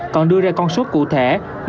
còn đưa ra con số cụ thể